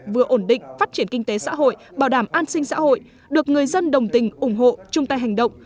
vừa ổn định phát triển kinh tế xã hội bảo đảm an sinh xã hội được người dân đồng tình ủng hộ chung tay hành động